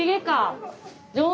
上手！